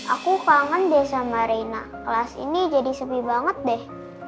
aku kangen biasa mbak reina kelas ini jadi sepi banget deh